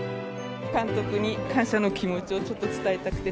監督に感謝の気持ちをちょっと伝えたくて。